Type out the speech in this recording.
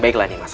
baiklah nih mas